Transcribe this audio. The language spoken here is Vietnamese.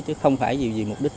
chứ không phải vì mục đích